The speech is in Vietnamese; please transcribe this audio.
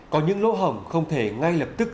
có những lỗ hồng không thể ngay lập tức